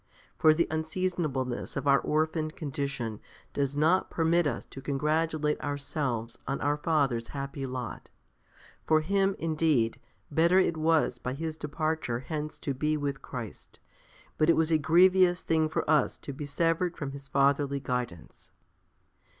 for the unseasonableness of our orphaned condition does not permit us to congratulate ourselves on our Father's happy lot. For him, indeed, better it was by his departure hence to be with Christ, but it was a grievous thing for us to be severed from his fatherly guidance.